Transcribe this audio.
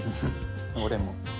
俺も。